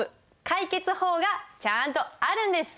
解決法がちゃんとあるんです。